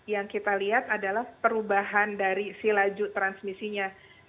yang kita lihat adalah perubahan dari si laju transmisinya